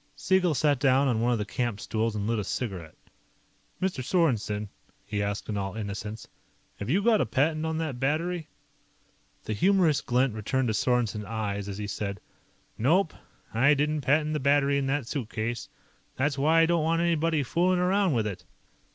Siegel sat down on one of the camp stools and lit a cigarette. "Mr. Sorensen," he asked in all innocence, "have you got a patent on that battery?" The humorous glint returned to Sorensen's eyes as he said, "Nope. I didn't patent the battery in that suitcase. That's why I don't want anybody fooling around with it."